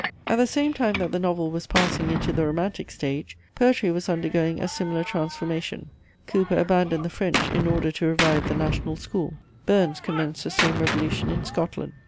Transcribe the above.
* At the same time that the novel was passing into the "romantic" stage, poetry was undergoing a similar transformation. Cowper abandoned the French in order to revive the national school; Burns commenced the same revolution in Scotland.